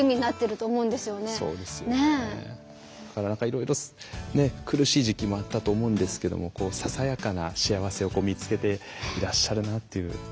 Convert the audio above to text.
いろいろ苦しい時期もあったと思うんですけどもささやかな幸せを見つけていらっしゃるなというところも感じましたね。